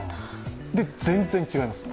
で、全然違いますか？